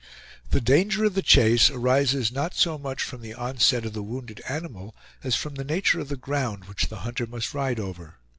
The danger of the chase arises not so much from the onset of the wounded animal as from the nature of the ground which the hunter must ride over.